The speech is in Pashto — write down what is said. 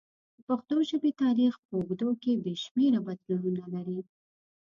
د پښتو ژبې تاریخ په اوږدو کې بې شمېره بدلونونه لري.